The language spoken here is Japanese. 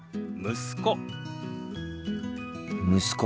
息子。